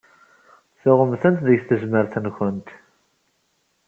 Tuɣemt-tent deg tezmert-nkent.